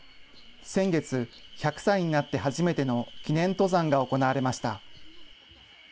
先月、１００歳になって初めての記念登山が行われました。